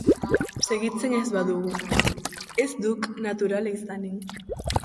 Segitzen ez badugu, ez duk naturala izanen.